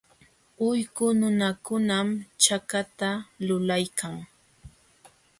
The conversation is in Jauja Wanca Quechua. Ullqu nunakunam chakata lulaykan.